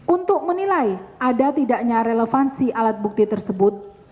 untuk menilai ada tidaknya relevansi alat bukti tersebut